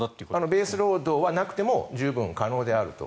ベースロードはなくても十分可能であると。